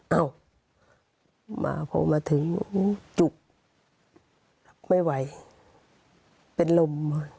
เอ้ามาพอมาถึงจุกไม่ไหวเป็นลม